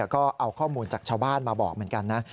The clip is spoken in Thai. ก็เอาข้อมูลจากชาวบ้านมาบอกเหมือนกันนะ